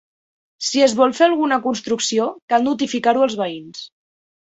Si es vol fer alguna construcció, cal notificar-ho als veïns.